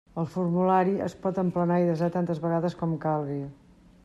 El formulari es pot emplenar i desar tantes vegades com calgui.